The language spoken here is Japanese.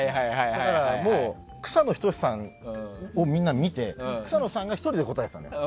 だから、草野仁さんをみんな見て草野さんが１人で答えていたんだから。